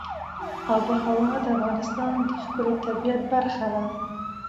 آب وهوا د افغانستان د ښکلي طبیعت برخه ده.